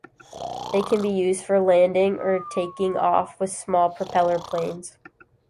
They can be used for landing or taking off with small propeller planes.